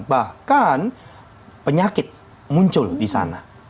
bahkan penyakit muncul di sana